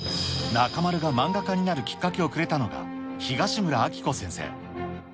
中丸が漫画家になるきっかけをくれたのが、東村アキコ先生。